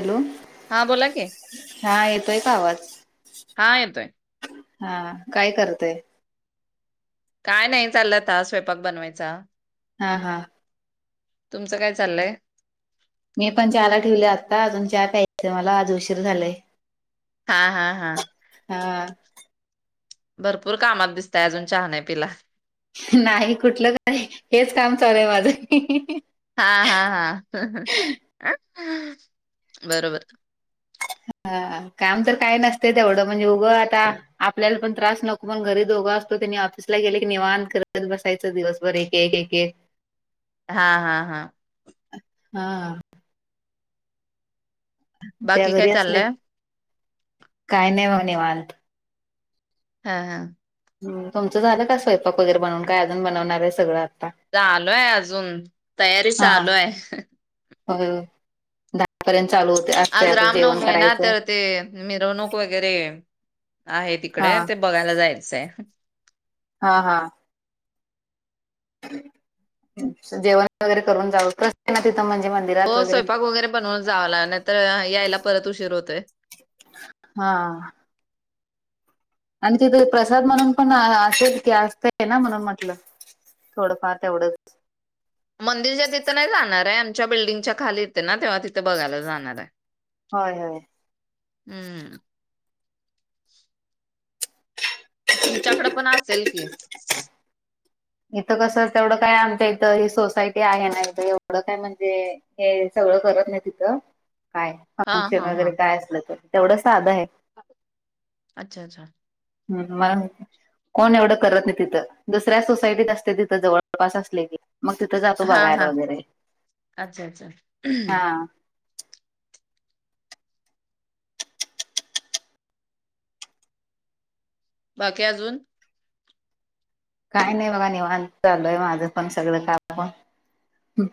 Hello, हा बोला की हा येतोय का आवाज? हा येतोय हा हा. काय करतय? काय नाई, चाललय आता स्वयपाक बनवायचा. हा हा. तुमचं काय चाललंय? मी पण चहाला ठेवले आत्ता, अजून चहा प्यायच मला आज उशीर झालय. हा हा हा. हा भरपूर कामात दिसताय, आजून चहा नाई पिला. नाही कुट लं काय, हेच काम चालू ये माज. हा हा हा [inaudible] बरोबर. आ आ काम तर काय नसतय तेवड मणजे उगं आता आपल्याला पण त्रास नको, पण घरी दोघं असतो. तेनी ऑफिसला गेले की, निवांत करत बसायच. दिवसभर एक एक एकेक. हा हा हा. हा. त्या बाकी काय घरी असले, चाललंय काय नाइ बघा निवांत. ह हा. हुं. तुमचं झालं का स्वयपाक वगेरे बनवून? काय अजून बनवणार ये सगळं आत्ता? चालूय आजुन तयारी हा चालूय. होय ओ दाहापर्यंत चालू होतंय आठ ते आज आठ अस जेवण रामनवमी आहे ना तर करायचं. ते मिरवणूक वैगेरे आहे हा तिकडे, ते बगायला जायचय. हा हा.. जेवण वगैरे करून जाव कस ना तिथं म्हणजे म हो स्वयपाक वैगेरे बनवून जावा, नायतर यायला परत उशीर होतोय. हा.. आणि तिथे प्रसाद म्हणून पण असेल की असतय ना म्हणून म्हटलं.. थोडंफार तेवडच. मंदिरच्या तित नाई जाणाराय आमच्या बिल्डिंगच्या खाली येते ना तेव्हा तीत बगायला जाणार हाय. होय होय.. अम्म.. [inaudible] तुमच्याकडं पण असेल की? इथं कसं तेवड काय आमच्या इथ ही सोसायटी आहे ना इथ एवड काय म्हणजे हे सगळं करत नाही तिथं काय हां, फंक्शन हां, वगैरे हां. काय असलं तर तेवड साध हाय. अच्छा अच्छा! अम्म मला कोण एवड करत नाइ तिथं दुसऱ्या सोसायटीत असते तित जवळपास असले की मग तिथं जातो हां, बगायला हां. वगेरे अच्छा, अच्छा. हा. बाकी अजून? काय नाइ बगा निवांत, चालूय माज पण सगळं निवांत काम.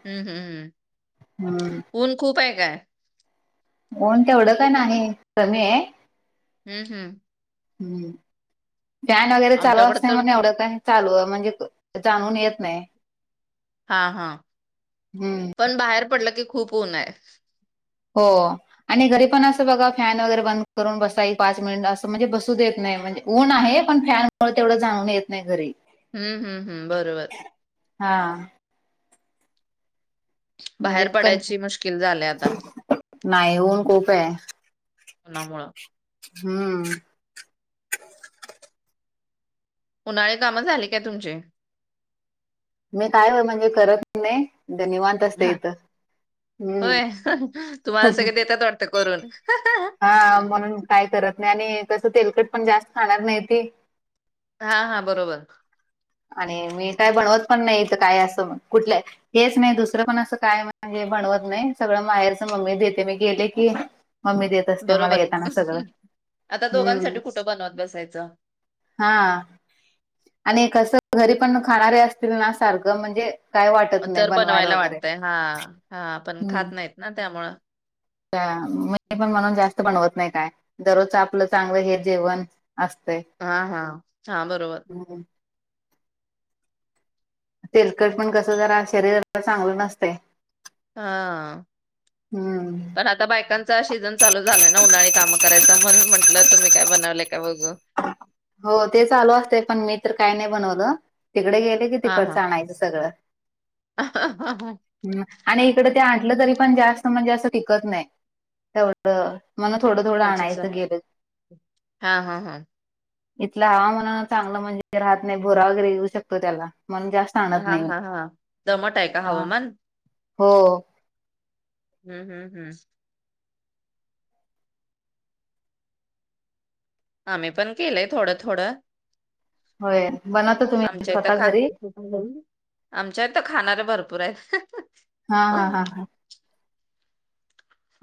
हम्म हम्म हम्म.. हम्म. ऊन खूप हाय काय? ऊन तेवड काय नाही. कमी हाय. हम्म हम्.. हम्म.. फॅन वगेरे चालू आमच्याकडे असतय तर मग येवढ काय चालूय म्हणजे जाणवून येत नाई. हा हा.. हम्म. पण बाहेर पडलं की खूप ऊन हाय. हो.. आणि घरी पण असं बघा फॅन वगैरे बंद करून बसाई पाच मिनिट असं म्हणजे बसू देत नाही म्हणजे ऊन आहे पण फॅनमुळे तेवढं जाणवून येत नाही घरी. अम्म हम्म हम्म.. बरोबर... हा. म्हणजे बाहेर कं पडायची मुश्किल झाल आहे आता. नाही ऊन खूप आहे आता. उन्हामुळे. हम्म. उन्हाळे काम झाली काय तुमचे? मी काय हो म्हणजे करत नाही निवांत. असते हा इथं हम्म होय तुम्हाला सगळे देतात वाटत करून. हा म्हणून काय करत नाही आणि तसं तेलकट पण जास्त खाणार नाही ती. हा हा बरोबर. आणि मी काय बनवत पण नाहीथं काय असं कुठलंय. हेच नाही दुसरं पण असं काय म्हणजे बनवत नाही सगळं माहेरच मम्मी देते मी गेले की मम्मी दे बरोबर आता दोघांसाठी कुठं बनवत बसायचं हा कस घरी पण खाणारे असतील ना सारखं म्हणजे काय वाटत नाही तर बनवायला वगैरे. वाटतय हा, हा पण हम्म खात नाहीत ना त्यामुळ मी पण म्हणून जास्त बनवत नाही काय दररोजचं आपलं चांगलं हे जेवण असतंय हा, हा, हा बरोबर हम्म तेलकट पण कस जरा शरीराला चांगलं नसतंय ह हम्म. रात आता बायकांचा सीजन झालाय ना उन्हाळी काम करायचा म्हणून म्हटलं तुम्ही काय बनवले काय बघू हो ते चालू असते पण मी तर काय नाही बनवलं तिकडे गेले की हां, तिकडच हां. आणायचं सगळं [inaudible] हम्म आणि इकड ते आणलं तरी पण जास्त म्हणजे असत टिकत नाही तेवढं म्हणून थोडं, थोड आणायचं गेलं की हा, हा, हा इथलं हवामाना चांगलं म्हणजे राहत नाही बुरा वगैरे येऊ शकतो त्याला म्हणून जास्त आणत हा, नाही मी हा, हा दमट आहे का हा हवामान? हो हम्म, हम्म, हम्म आम्ही पण केलंय थोडं, थोडं होय बनवता तुम्ही इथं खा स्वतः घरी आमच्या इथ खाणारे भरपूर आहेत हा, हा, हा, हा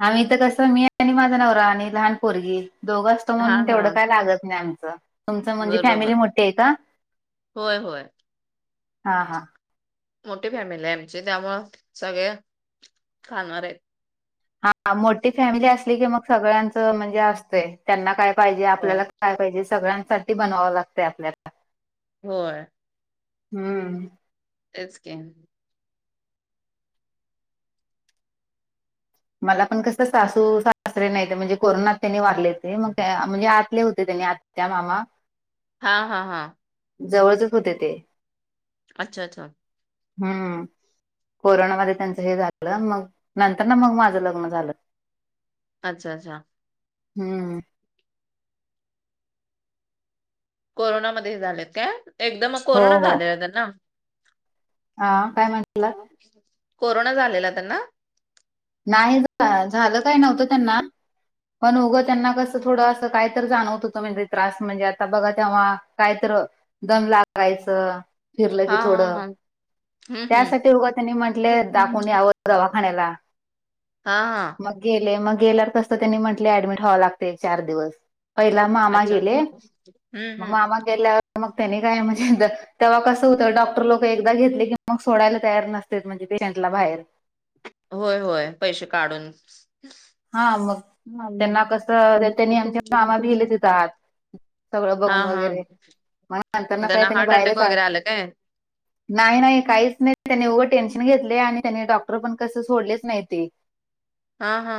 आम्ही इथं कसं मी आणि माझा नवरा आणि लहान पोरगी दोघंच म्हणून हां, तेवढं हां. काय लागत नाही आमच तुमच म्हणजे बरोबर. फॅमिली मोठी आहे का होय, होय. हा, हा मोठी फॅमिली आहे आमची त्यामुळे सगळे खाणारे मोठी फॅमिली असली की मग सगळ्यांचं म्हणजे असतंय त्यांना काय पाहिजे होय, आपल्याला काय पाहिजे सगळ्यांसाठी बनवं लागतय आपल्याला होय हम्म तेच की मला पण कस सासू सासरे नाही म्हणजे कोरोनात त्यांनी वारले ते मग म्हणजे आतले होते त्यांनी आत त्या मामा हा, हा, हा जवळचेच होते ते अच्छा, अच्छा हम्म कोरोनामध्ये त्यांच हे झालं मग नंतर ना मग मा झ लग्न झालं अच्छा, अच्छा हम्म कोरोनामध्ये हे झालेत काय? एकदम मग हो कोरोना हो झालेलां त्यांना? हा काय म्हटलं कोरोना झालेला त्यांना? नाही काय झाल काय नव्हतं त्यांना पण उगं त्यांना कसं थोड असं काय तर जाणवत होतं म्हणजे त्रास म्हणजे आता बघा तेव्हा काय तर दम लागायचं, फिरलं की हां, हां, थोडं हां. हं, हं. त्यासाठी उगा त्यांनी म्हंटले दाखवून यावं दवाखान्याला. हा हा. मग गेले मग गेल्यावर कसं त्यांनी म्हटले ऍडमिट व्हावं लागतय एक चार दिवस पहिला मामा अच्छा अ‍ॅडमिट केलं.. हम्म हम्म. केल्यावर मग त्यानी काय म्हंजे य तेव्हा कसं होतं डॉक्टर लोक एकदा घेतले की मग सोडायला तयार नस्त्यात म्हणजे पेशंटला बाहेर होय होय पैसे काढून हा मग हां. त्यांना कसं त्यांना त्यांनी कसं आमच्या मामा रिलेटेड गेले तिथं नसतं. आत सगळं बघून हां, हां. वगैरे मग नंतर काही त्यांना त्यांनी हार्ट अटॅक बाहेरच आ वगैरे आलं काय? नाही नाही काहीच नाही त्यांनी उगं टेन्शन घेतले आणि त्यांनी डॉक्टर पण कसं सोडलेच नाही ते. हा हा.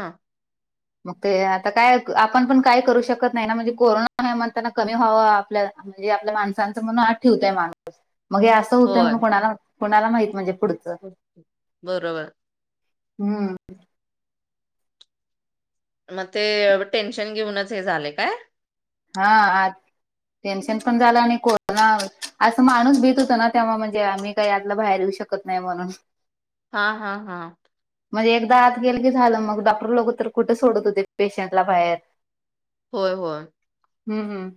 मग ते आता काय आपण पण काय करू शकत नाही ना म्हणजे कोरोना हाय म्हणताना कमी व्हाव आपल्याला म्हणजे आपल्या माणसांचं म्हणून आत ठेवतय माणूस मग ये असं होतय होय. म्हणून कोणा कोणाला माहित म्हणजे पुढचं- बरोबर. हम्. मग ते टेन्शन घेऊनच हे झाले काय? हा आत टेन्शन पण झालं आणि कोरोना असं माणूस भित होत ना तेव्हा म्हणजे आम्ही काही आतलं बाहेर येऊ शकत नाही म्हणून. हा हा हा. मग एकदा आत गेलं की झालं मग डॉक्टर लोकं तर कुठे सोडत होते पेशंटला बाहेर. होय होय. हम् हम्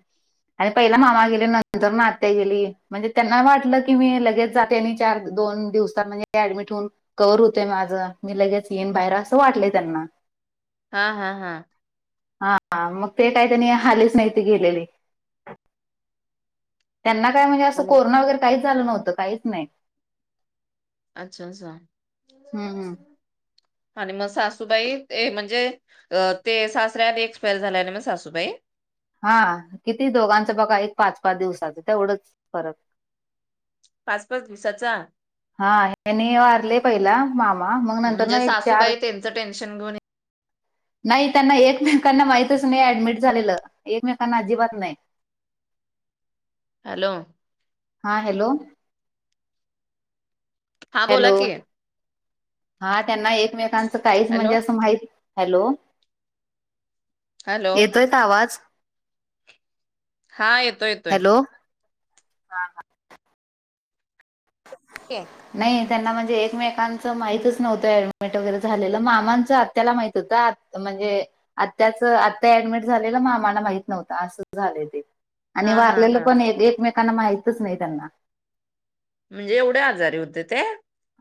आणि पहिला मामा गेले नंतर आत्या गेली म्हणजे त्यांना वाटलं की मी लगेच जात त्यांनी चार दोन दिवसात म्हणजे ॲडमिट होऊन कवर होतोय माझं मी लगेच येईन बाहेर असं वाटलंय त्यांना हा हा हा. हा मग ते काही तेनी आलेच नाही ते गेलेले. त्यांना काय म्हणजे असं आणि कोरोना वगैरे काहीच झालं नव्हतं काहीच नाही अच्छा अच्छा हम्म हम्म. आणि मग सासूबाई ते म्हणजे ते सासऱ्या आधी एक्सपायर झाल्या म्हणं सासूबाई? हा किती दोघांचं बघा एक पाच सहा दिवसाचं तेवढंच फरक. पाचच दिवसाच्या हा यांनी वारले पहिला मामा मग नंतर म्हणजे ना एक चार सासूबाई त्यांचं टेन्शन घेऊन नाही त्यांना एकमेकांना माहितच नाही ॲडमिट झालेलं एकमेकांना अजिबात नाही हॅलो हा हॅलो हा बोला हॅलो कि हा त्यांना एकमेकांचं काहीच हॅलो, म्हणजे असं माहित हॅलो हॅलो. येतोय का आवाज हा येतोय येतोय हॅलो एक नाही त्यांना म्हणजे एकमेकांचं माहितच नव्हतं ऍडमिट वगैरे झालेलं मामांचं आत्याला माहित होतं आत् म्हणजे आत्याचं आत्या ऍडमिट झालेलं मामांना माहित नव्हतं असं झालंय ते आणि हां, हां, वारलेलं हां. पण एक एकमेकांना माहितच नाही त्यांना म्हणजे एवढे आजारी होते ते?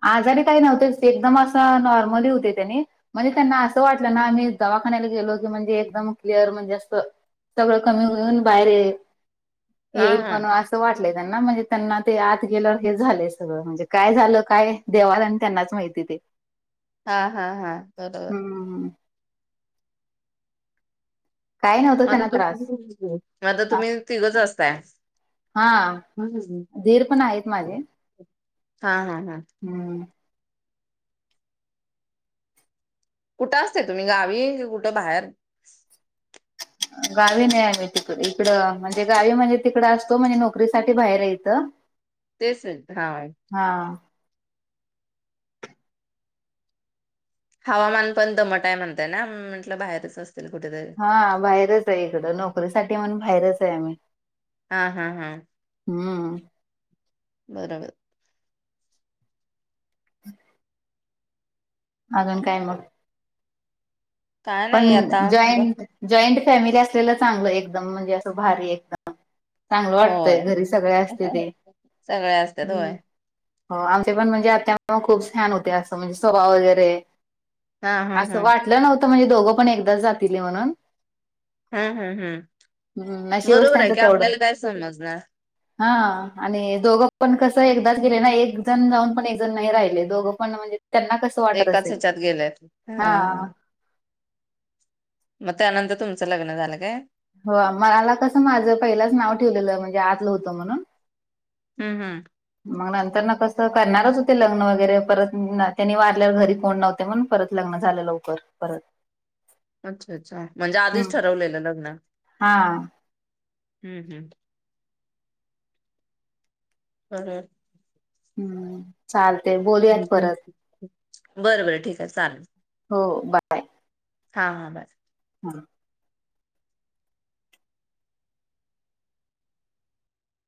आजारी काही नव्हतेच ते एकदम असं नॉर्मली हुते त्यानी म्हणजे त्यांना असं वाटलं ना मी दवाखान्याला गेलो की म्हणजे एकदम क्लिअर म्हणजे अस सगळं कमी होऊन बाहेर ये हां, येईल पण हां. असं वाटलंय त्यांना म्हणजे त्यांना ते आत गेल्यावर हेच झालंय सगळं म्हणजे काय झालं काय देवाला आणि त्यांनाच माहिती ते? हा हा हा बरोबर हम्म काय नव्हतं म आता त्यांना तू त्रास मग आता हा- तुम्ही तिघंच असताय? हा दिर पण आहेत माझे हा हा हा हम्म कुठं असताय तुम्ही गावी की कुठं बाहेर? गावी नाही आहे मी तिक इकडं म्हणजे गावी म्हणजे तिकडं असतो म्हणजे नोकरीसाठी बाहेर आहे इथं. तेच हेत हा हा हवामान पण दमट हाय म्हणताय ना म म्हटलं बाहेरच असत असतील कुठं तर हा बाहेरच हाय इकडं नोकरीसाठी म्हणून बाहेरच हाय आम्ही हा हा हा हम्म बरोबर [inaudible] अजून काय मग? काय पण नाही आता ब जॉईंट जॉईंट फॅमिली असलेलं चांगलं एकदम म्हणजे असं भारी एकदम चांगलं वाटतंय होय. घरी सगळे असते ते सगळे असतात होय. हं हो आमचे पण म्हणजे आत्या मामा खूप छान होते असं म्हणजे स्वभाव वगैरे हां, हां, असं हां. वाटलं नव्हतं म्हणजे दोघं पण एकदाच जातील हे म्हणून हम् हम हम् हम्म, नशीबच बरोबर आहे त्यांचं की तेवढं आपल्याला काय समजणार? हा आणि दोघं पण कस एकदाच गेले ना एक जण जाऊन पण एक जण नाही राहिले दोघं पण म्हणजे त्यांना कसं वाटत एकाच असेल? ह्याच्यात गेलेत. हा हां. मग त्यानंतर तुमचं लग्न झालं काय? हो मला कसं माझ पहिलाच नाव ठेवलेलं म्हणजे आतलं होतं म्हणून हम्म हम् मग नंतरनं कसं करणारच होते लग्न वगैरे परत तेनी वारल्यावर घरी कोण नव्हते म्हणून परत लग्न झालं लवकर परत अच्छा अच्छा म्हणजे आधीच हम्म. ठरवलेलं लग्न? हा हम्म हम्म हं हं हम्म चालतय बोल बर बर ठीक हाय चालेल हो बाय. हा हा बाय. हां.